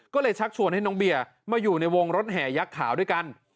ก็เลยชักชวนให้น้องเบียร์มาอยู่ในวงรถแห่ยักษ์ขาวด้วยกัน